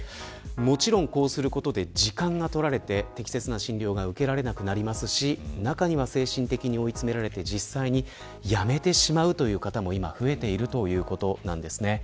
もちろんこうすることで時間が取られて適切な診療が受けられなくなりますし、中には精神的に追い詰められて実際に辞めてしまうという方も増えているということなんです。